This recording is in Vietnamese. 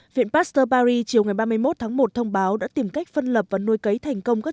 viện pasteur paris chiều ngày ba mươi một tháng một thông báo đã tìm cách phân lập và nuôi cấy thành công các